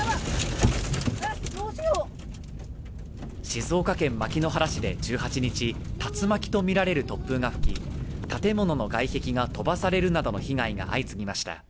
静岡県牧之原市で１８日、竜巻とみられる突風が吹き建物の外壁が飛ばされるなどの被害が相次ぎました。